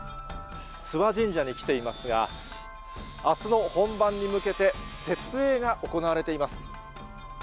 諏訪神社に来ていますが、あすの本番に向けて設営が行われています。